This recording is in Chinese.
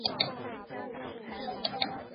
出入口分为北口与南口两处。